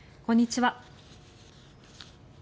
こんにちは。